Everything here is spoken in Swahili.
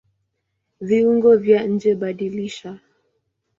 Viungo vya njeBadilisha